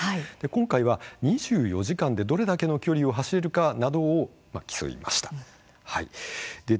今回は２４時間でどれだけの距離を走れるか？などを競いました。